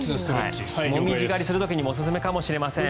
モミジ狩りする時にもおすすめかもしれません。